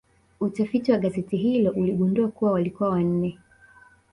Utafiti wa gazeti hilo uligundua kuwa walikuwa wanne